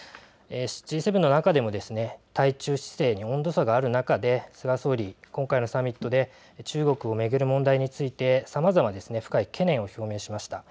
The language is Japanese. Ｇ７の中でも対中姿勢に温度差がある中で菅総理、今回のサミットで中国を巡る問題についてさまざまな深い懸念を表明しました。